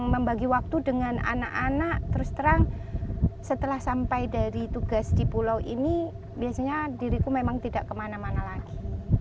membagi waktu dengan anak anak terus terang setelah sampai dari tugas di pulau ini biasanya diriku memang tidak kemana mana lagi